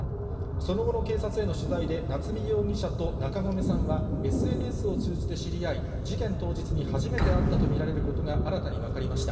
その後の警察への取材で、夏見容疑者と中込さんは、ＳＮＳを通じて知り合い、事件当日に初めて会ったと見られることが、新たに分かりました。